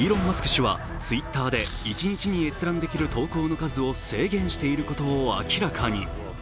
氏はＴｗｉｔｔｅｒで一日に閲覧できる投稿の数を制限していることを明らかに。